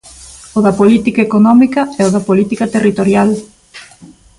O da política económica e o da política territorial.